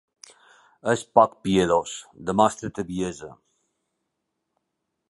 És poc piadós, demostra tebiesa.